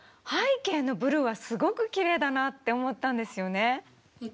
背景のブルーはすごくきれいだなって思ったんですよね。